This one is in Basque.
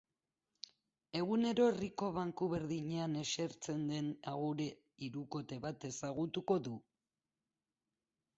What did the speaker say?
Egunero herriko banku berdinean eseritzen den agure hirukote bat ezagutuko du.